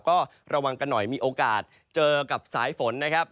ก็ระวังกันหน่อยมีโอกาสเจอกับสายฝนนะครับ